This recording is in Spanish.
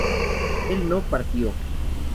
él no partió